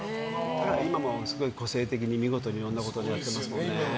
今もすごい個性的に見事にいろんなことやってますよね。